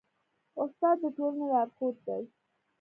استاد د ټولني لارښود دی.